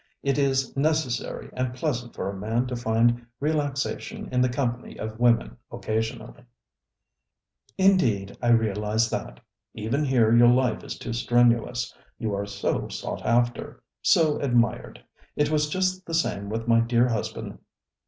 It is necessary and pleasant for a man to find relaxation in the company of women occasionally. ŌĆØ ŌĆ£Indeed I realise that. Even here your life is too strenuousŌĆöyou are so sought afterŌĆöso admired. It was just the same with my dear husband.